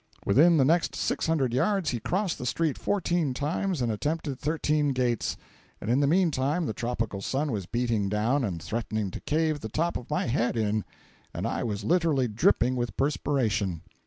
Within the next six hundred yards he crossed the street fourteen times and attempted thirteen gates, and in the meantime the tropical sun was beating down and threatening to cave the top of my head in, and I was literally dripping with perspiration.